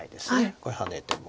ここへハネても。